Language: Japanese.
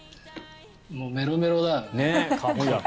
もうメロメロだ。